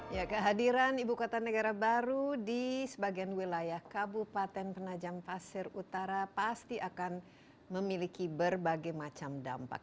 pertama sekali kehadiran ikn di sebagian wilayah kabupaten penajam pasir utara pasti akan memiliki berbagai macam dampak